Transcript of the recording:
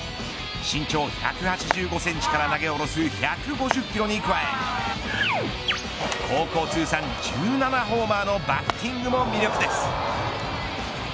身長１８５センチから投げ下ろす１５０キロに加え高校通算１７ホーマーのバッティングも魅力です。